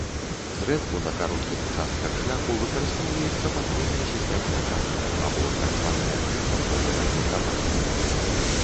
Зрэдку на кароткіх участках шляху выкарыстоўваецца падвойная сістэма напрамкаў або так званае двухбаковае блакаванне.